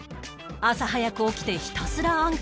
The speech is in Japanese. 朝早く起きてひたすら暗記